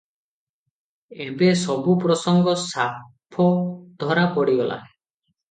ଏବେ ସବୁ ପ୍ରସଙ୍ଗ ସାଫ ଧରା ପଡିଗଲା ।"